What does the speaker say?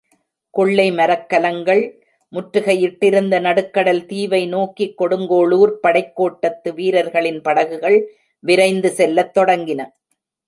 கொள்ளை மரக்கலங்கள் முற்றுகை யிட்டிருந்த நடுக்கடல் தீவை நோக்கி கொடுங்கோளூர்ப் படைக்கோட்டத்து வீரர்களின் படகுகள் விரைந்து செல்லத் தொடங்கின.